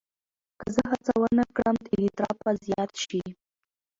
که زه هڅه ونه کړم، اضطراب به زیات شي.